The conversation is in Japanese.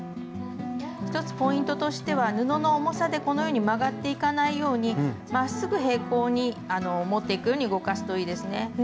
一つポイントとしては布の重さでこのように曲がっていかないようにまっすぐ平行に持っていくように動かすといいですね。